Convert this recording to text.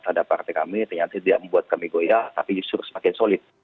ada partai kami ternyata itu dia membuat kami goyah tapi justru semakin solid